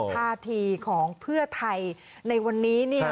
ท่าทีของเพื่อไทยในวันนี้